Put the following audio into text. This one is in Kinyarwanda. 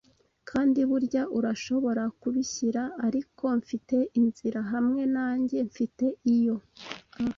kandi burya, urashobora kubishyira. Ariko mfite inzira hamwe nanjye, mfite. Iyo a